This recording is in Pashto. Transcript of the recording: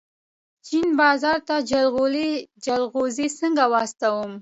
د چین بازار ته جلغوزي څنګه واستوم؟